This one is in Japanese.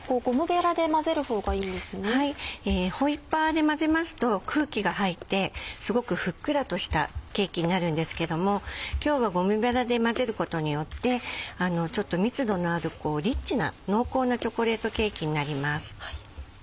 はいホイッパーで混ぜますと空気が入ってすごくふっくらとしたケーキになるんですけども今日はゴムべらで混ぜることによってちょっと密度のあるリッチな濃厚なチョコレートケーキになります。